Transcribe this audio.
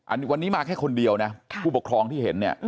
อันนี้มาแค่คนเดียวนะผู้ปกทองที่เห็น